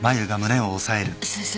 先生。